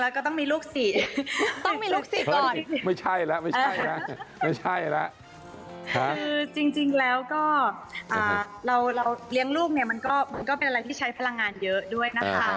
แล้วก็ต้องมีลูกสี่ต้องมีลูกสิก่อนไม่ใช่แล้วไม่ใช่แล้วไม่ใช่แล้วคือจริงแล้วก็เราเลี้ยงลูกเนี่ยมันก็เป็นอะไรที่ใช้พลังงานเยอะด้วยนะคะ